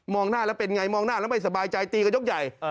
หน้าแล้วเป็นไงมองหน้าแล้วไม่สบายใจตีกันยกใหญ่